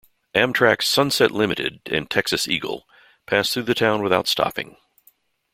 Amtrak's "Sunset Limited" and "Texas Eagle" pass through the town without stopping.